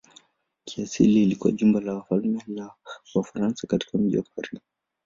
Kiasili ilikuwa jumba la wafalme wa Ufaransa katika mji wa Paris.